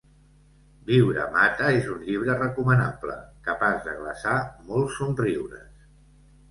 Viure mata és un llibre recomanable, capaç de glaçar molts somriures.